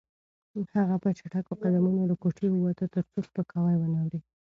هغه په چټکو قدمونو له کوټې ووته ترڅو سپکاوی ونه اوري.